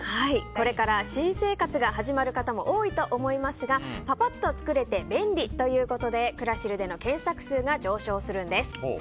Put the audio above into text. これから新生活が始まる方も多いと思いますがパパッと作れて便利ということでクラシルでの検索数が上昇するんです。